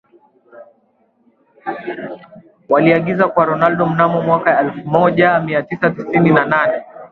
Waliagizwa kwa Ronaldo mnamo mwaka wa elfu moja mia tisa tisini na nane